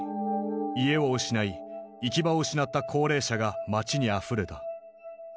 家を失い行き場を失った高齢者が街にあふれた。